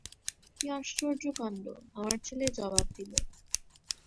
কী আশ্চর্য কাণ্ড, আমার ছেলে জবাব দিল।